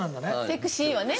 「セクシー」はね。